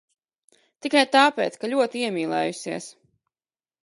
Tikai tāpēc, ka ļoti iemīlējusies.